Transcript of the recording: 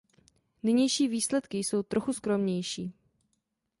Nynější výsledky jsou trochu skromnější.